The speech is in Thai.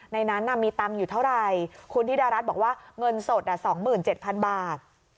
ในนั้นมีตังค์อยู่เท่าไหร่คุณธิดารัฐบอกว่าเงินสด๒๗๐๐บาท